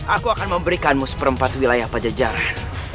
aku akan memberikanmu seperempat wilayah pada jajaran